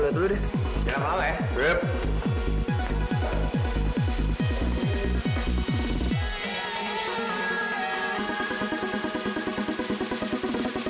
lo tuh dimata matain tau